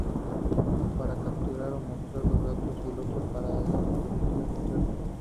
Uno para capturar o mostrar los datos y el otro para el dispositivo interno.